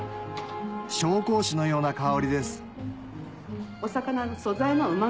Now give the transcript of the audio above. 紹興酒のような香りですあっ